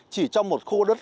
chỉ trong một khu đất